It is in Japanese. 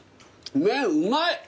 麺うまい。